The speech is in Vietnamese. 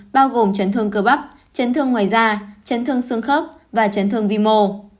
bao gồm chấn thương cơ bắp chấn thương ngoài da chấn thương xương khớp và chấn thương vi mô